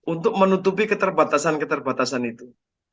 untuk menutupi keterbatasan keterbatasan itu